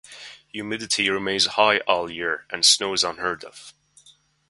Humidity remains high all year, and snow is unheard of.